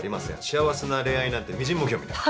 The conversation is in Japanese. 幸せな恋愛なんてみじんも興味ない。